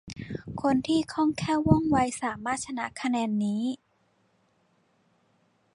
คนที่คล่องแคล่วว่องไวสามารถ ชนะคะแนนนี้